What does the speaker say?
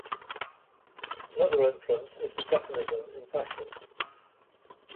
Another influence is the Japonism in fashion.